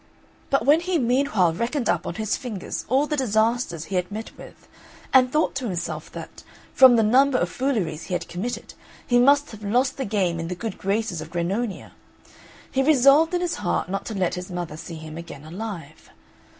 But when he meanwhile reckoned up on his fingers all the disasters he had met with, and thought to himself that, from the number of fooleries he had committed, he must have lost the game in the good graces of Grannonia, he resolved in his heart not to let his mother see him again alive.